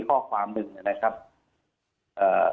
ข้อความหนึ่งนะครับเอ่อ